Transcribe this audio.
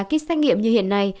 kit xét nghiệm như hiện nay